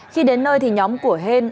khi đến nơi thì nhóm của hên